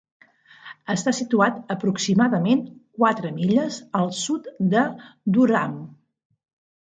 Està situat aproximadament quatre milles al sud de Durham.